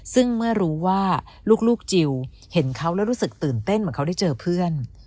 ซึ่งเมื่อรู้ว่าลูกจิลเห็นเขาแล้วรู้สึกตื่นเต้นเหมือนเขาได้เจอเพื่อน